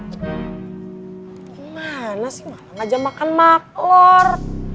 gimana sih malang aja makan maklor